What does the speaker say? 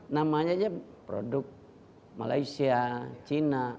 namanya aja produk malaysia china